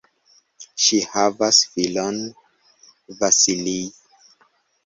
Ŝi havas filon "Vasilij".